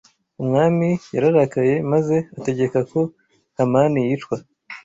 Umwami yararakaye maze ategeka ko Hamani yicwa